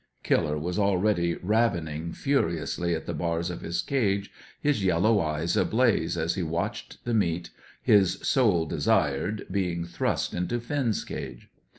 Killer was already ravening furiously at the bars of his cage, his yellow eyes ablaze as he watched the meat his soul desired being thrust into Finn's cage.